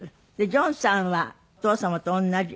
ジョンさんはお父様と同じ。